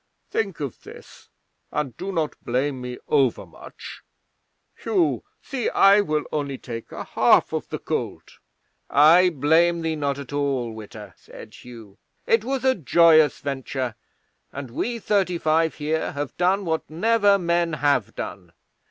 Think of this and do not blame me overmuch, Hugh. See! I will only take a half of the gold." '"I blame thee not at all, Witta," said Hugh. "It was a joyous venture, and we thirty five here have done what never men have done.